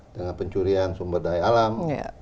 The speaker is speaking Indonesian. dengan pencurian sumber daya alam